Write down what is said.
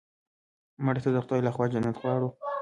مړه ته د خدای له خوا جنت غواړو